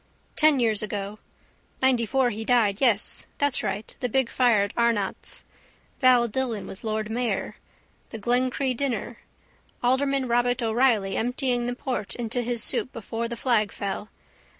Ten years ago: ninetyfour he died yes that's right the big fire at Arnott's. Val Dillon was lord mayor. The Glencree dinner. Alderman Robert O'Reilly emptying the port into his soup before the flag fell.